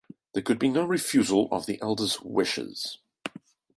There could be no refusal of the elder's wishes.